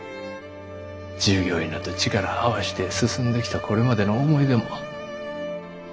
従業員らと力合わして進んできたこれまでの思い出も。